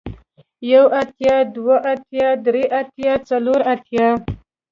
يو اتيا دوه اتيا درې اتيا څلور اتيا